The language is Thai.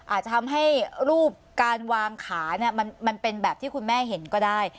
อาจจะทำให้รูปการวางขามันเป็นแบบที่คุณแม่เห็นก็ได้